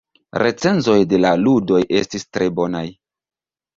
Recenzoj de la ludoj estis tre bonaj.